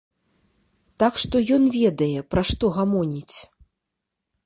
Так што ён ведае, пра што гамоніць.